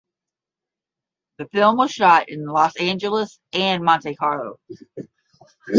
The film was shot in Los Angeles and Monte Carlo.